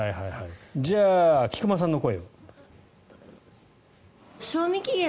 じゃあ、菊間さんの声。